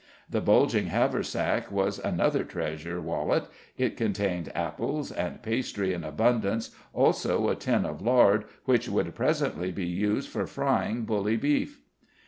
The bulging haversack was another treasure wallet; it contained apples and pastry in abundance, also a tin of lard, which would presently be used for frying bully beef.